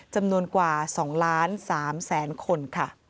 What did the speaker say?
จำนวนกว่า๒๓๐๐๐๐๐คน